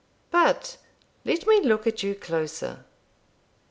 But let me look at you closer.